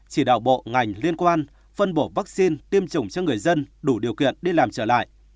chỉ đạo bộ ngành liên quan phân bổ vaccine tiêm chủng cho người dân đủ điều kiện đi làm trở lại